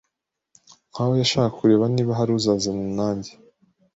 Nkaho yashakaga kureba niba hari uzaza nanjye